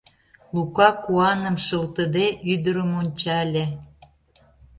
Лука, куаным шылтыде, ӱдырым ончале.